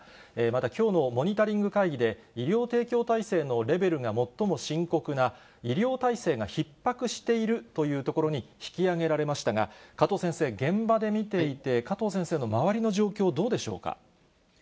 またきょうのモニタリング会議で、医療提供体制のレベルが、最も深刻な医療体制がひっ迫しているというところに引き上げられましたが、加藤先生、現場で見ていて、加藤先生の周りの状況、どうでしょうか。